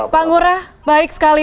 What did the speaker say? pak ngurah baik sekali